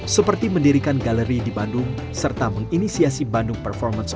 seperti mendirikan galeri di bandung serta menginisiasi bandung performance